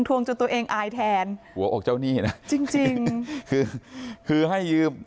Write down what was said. วงจนตัวเองอายแทนหัวอกเจ้าหนี้นะจริงจริงคือคือให้ยืม